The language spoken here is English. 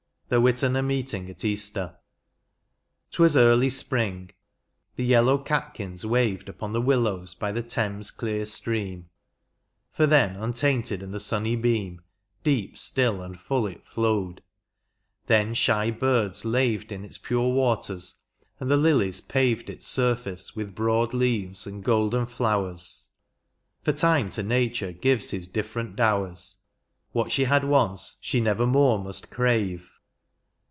77 XXXVIII. THE WITENA MEETING AT EASTER. 'T WAS early spring, the yellow catkins waved Upon the willows by the Thames clear stream. For then untainted in the sunny beam, Deep, still, and full it flowed; then shy birds laved In its pure waters, and the lilies paved Its surface with broad leaves and golden flowers; For time to Nature gives his different dowers. What she had once, she never more must crave.